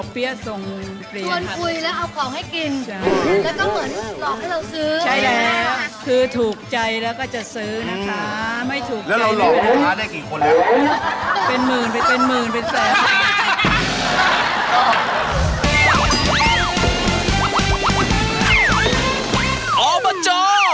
เป็นหมื่นเป็นหมื่นเป็นแสดง